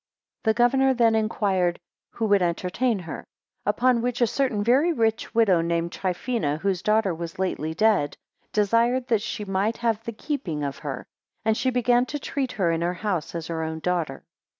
2 The governor then inquired, Who would entertain her; upon which a certain very rich widow, named Trifina, whose daughter was lately dead, desired that she might have the keeping of her; and she began to treat her in her house as her own daughter.